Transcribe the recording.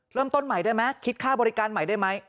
เริ่มต้นใหม่ได้ไหมคิดค่าบริการใหม่ได้ไหม